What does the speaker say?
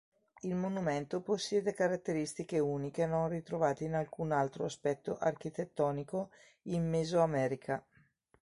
Il monumento possiede caratteristiche uniche non ritrovate in alcun altro aspetto architettonico in mesoamerica.